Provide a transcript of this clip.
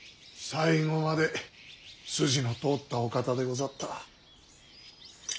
最後まで筋の通ったお方でござった。